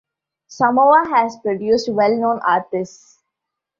Samoa has produced well-known artists.